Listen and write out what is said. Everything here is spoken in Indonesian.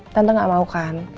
tante gak mau kan